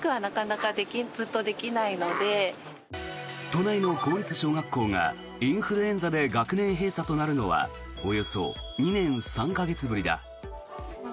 都内の公立小学校がインフルエンザで学年閉鎖となるのはおよそ２年３か月ぶりだ。